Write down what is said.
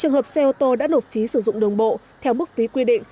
trường hợp xe ô tô đã nộp phí sử dụng đường bộ theo mức phí quy định